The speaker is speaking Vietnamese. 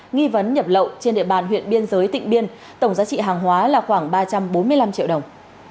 nghi vấn nhập lậu trên địa bàn huyện biên giới tỉnh biên tổng giá trị hàng hóa là khoảng ba trăm bốn mươi năm triệu đồng